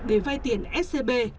để vay tiền scb